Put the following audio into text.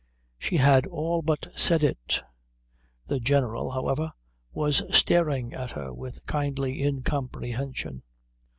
She had all but said it. The general, however, was staring at her with kindly incomprehension.